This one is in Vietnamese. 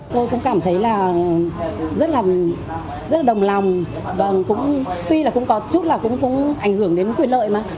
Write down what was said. tôi cũng cảm thấy là rất là đồng lòng tuy là cũng có chút là cũng ảnh hưởng đến quyền lợi mà